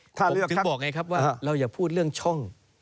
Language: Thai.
ผมถึงบอกไงครับว่าเราอย่าพูดเรื่องช่อง